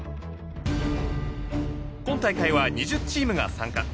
今大会は２０チームが参加。